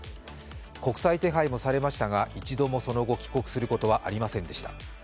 国際手配もされましたが一度もその後、帰国することはありませんでした。